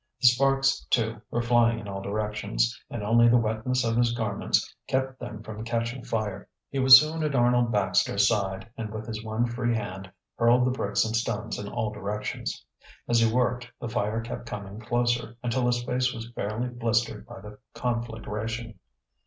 The sparks, too, were flying in all directions and only the wetness of his garments kept them from catching fire. He was soon at Arnold Baxter's side, and with his one free hand hurled the bricks and stones in all directions. As he worked the fire kept coming closer, until his face was fairly blistered by the conflagration.